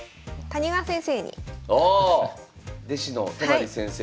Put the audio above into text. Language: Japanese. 谷川先生